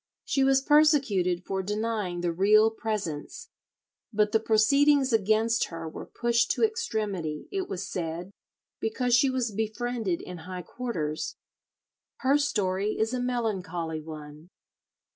She was persecuted for denying the Real Presence, but the proceedings against her were pushed to extremity, it was said, because she was befriended in high quarters. Her story is a melancholly one.